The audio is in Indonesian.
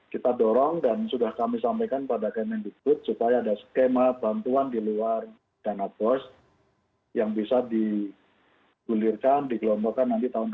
kita dorong dan sudah kami sampaikan pada kemendikbud supaya ada skema bantuan di luar dana bos yang bisa digulirkan dikelompokkan nanti tahun dua ribu dua puluh